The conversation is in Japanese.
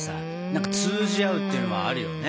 何か通じ合うっていうのはあるよね。